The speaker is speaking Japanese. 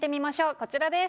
こちらです。